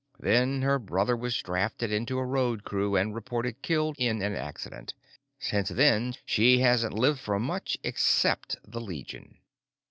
Then her brother was drafted into a road crew and reported killed in an accident. Since then she hasn't lived for much except the Legion."